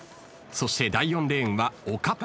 そして第４レーンは。